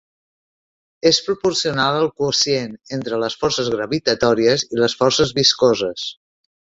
És proporcional al quocient entre les forces gravitatòries i les forces viscoses.